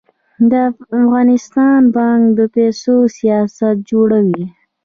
د افغانستان بانک د پیسو سیاست جوړوي